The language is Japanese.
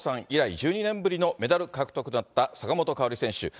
以来１２年ぶりのメダル獲得となった坂本花織選手。